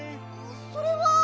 それは。